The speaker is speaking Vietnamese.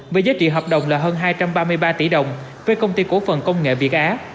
với giá trị hợp đồng là hơn hai trăm ba mươi ba tỷ đồng với công ty cổ phần công nghệ việt á